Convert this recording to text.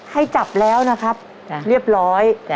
ให้จับแล้วนะครับเรียบร้อย